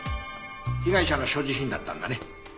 被害者の所持品だったんだね。